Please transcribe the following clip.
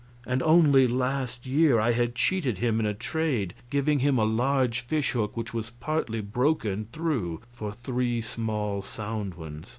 And only last year I had cheated him in a trade, giving him a large fish hook which was partly broken through for three small sound ones.